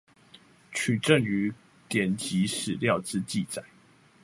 取證於典籍史料之記載